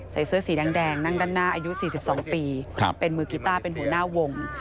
เสื้อสีแดงนั่งด้านหน้าอายุ๔๒ปีเป็นมือกีต้าเป็นหัวหน้าวง